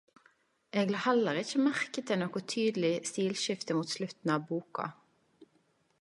Eg la heller ikkje merke til noko tydeleg stilskifte mot slutten av boka.